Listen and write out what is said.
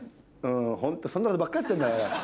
ホントそんなことばっかりやってんだから。